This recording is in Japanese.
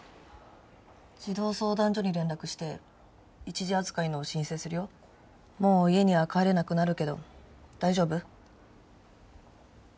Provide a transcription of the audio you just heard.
児童相談所に連絡して一時預かりの申請するよもう家には帰れなくなるけど大丈夫？